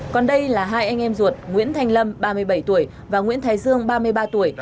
còn đây là hai anh em ruột nguyễn thanh lâm ba mươi bảy tuổi và nguyễn thái dương ba mươi ba tuổi